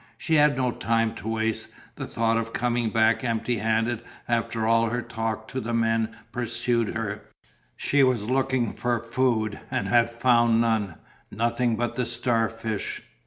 She had no time to waste. The thought of coming back empty handed after all her talk to the men pursued her. She was looking for food and had found none nothing but the star fish.